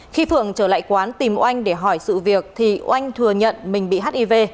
khi phượng trở lại quán tìm oanh để hỏi sự việc thì oanh thừa nhận mình bị hiv